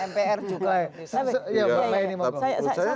tapi yang bankingnya juga pak zul ketua mpr juga